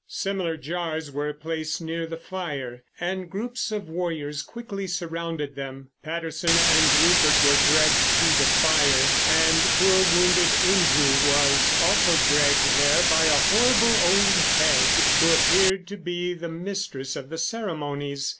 Similar jars were placed near the fire, and groups of warriors quickly surrounded them. Patterson and Rupert were dragged to the fire, and poor wounded Unju was also dragged there by a horrible old hag, who appeared to be the mistress of the ceremonies.